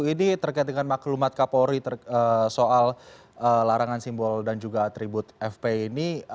ini terkait dengan maklumat kapolri soal larangan simbol dan juga atribut fpi ini